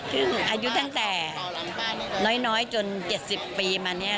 ซึ่งอายุตั้งแต่น้อยจน๗๐ปีมาเนี่ย